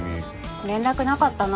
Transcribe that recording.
連絡なかったの？